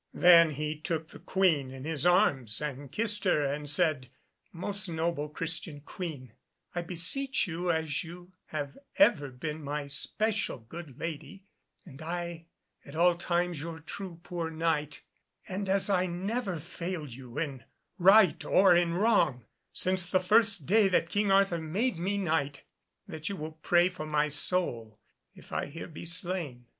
Then he took the Queen in his arms and kissed her, and said, "Most noble Christian Queen, I beseech you, as you have ever been my special good lady, and I at all times your true poor Knight, and as I never failed you in right or in wrong, since the first day that King Arthur made me Knight, that you will pray for my soul, if I be here slain.